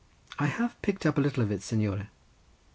"I have picked up a little of it, signore."